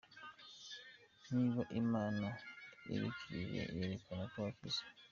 Niba.Imana igukijije yerekana ko wakize.